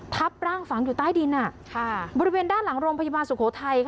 ทับร่างฝังอยู่ใต้ดินบริเวณด้านหลังโรงพยาบาลสุโขทัย